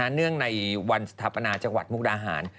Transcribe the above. เนื่องในวันสถาปนาจังหวัดมุกดาหาร